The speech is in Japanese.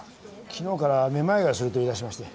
昨日から目まいがすると言いだしまして。